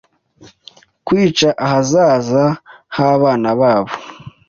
kwica ahazaza h’abana babo